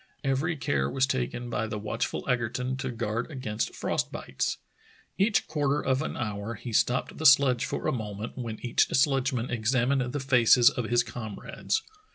Every care was taken by the watchful Egerton to guard against frost bites. Each quarter of an hour he stopped the sledge for a moment, when each sledgeman examined the faces of his comrades.